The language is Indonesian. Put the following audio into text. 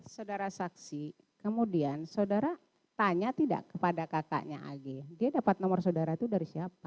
saudara saksi kemudian saudara tanya tidak kepada kakaknya ag dia dapat nomor saudara itu dari siapa